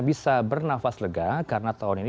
bisa bernafas lega karena tahun ini